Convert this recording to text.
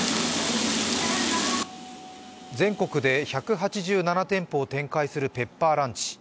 全国で１８７店舗を展開するペッパーランチ。